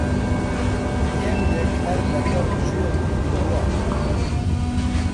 هێندێک هەر لە گەل جوێ ببوونەوە